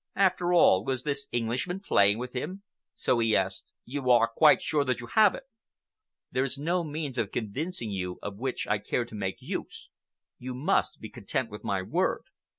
After all, was this Englishman playing with him? So he asked: "You are quite sure that you have it?" "There is no means of convincing you of which I care to make use. You must be content with my word.